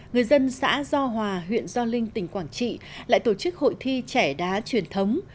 người dân xã do hòa huyện do linh tỉnh quảng trị lại tổ chức hội thi trẻ đá truyền thống